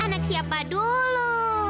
anak siapa dulu